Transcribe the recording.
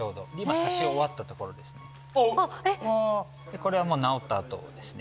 これはもう治った後ですね。